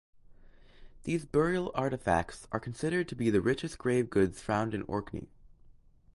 These burial artefacts are considered to be the richest grave goods found in Orkney.